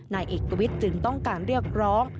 นายเอกวิทย์จึงต้องการเรียกร้อง